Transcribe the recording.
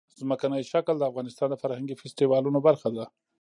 ځمکنی شکل د افغانستان د فرهنګي فستیوالونو برخه ده.